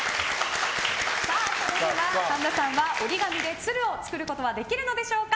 それでは神田さんは折り紙で鶴を折ることができるのでしょうか。